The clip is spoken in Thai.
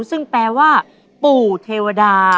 ซึ่งแปลว่าปู่เทวดา